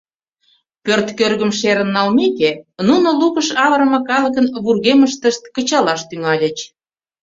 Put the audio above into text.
Пӧрт кӧргым шерын налмеке, нуно лукыш авырыме калыкын вургемыштышт кычалаш тӱҥальыч.